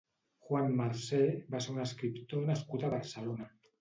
Juan Marsé va ser un escriptor nascut a Barcelona.